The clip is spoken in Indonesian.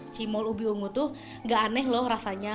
cimol ubi ungu itu enggak aneh loh rasanya